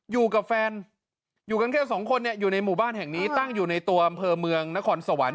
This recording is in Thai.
อยู่กับแฟนอยู่กันแค่สองคนเนี่ยอยู่ในหมู่บ้านแห่งนี้ตั้งอยู่ในตัวอำเภอเมืองนครสวรรค์